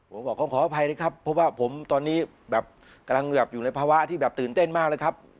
ผมบอกผมขออภัยนะครับเพราะว่าผมตอนนี้แบบกำลังอยู่ในภาวะที่แบบตื่นเต้นมากเลยครับ